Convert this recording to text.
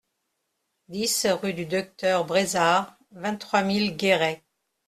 dix rue du Docteur Brésard, vingt-trois mille Guéret